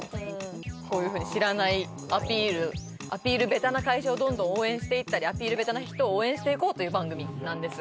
こういうふうに知らないアピールアピール下手な会社をどんどん応援していったりアピール下手な人を応援していこうという番組なんです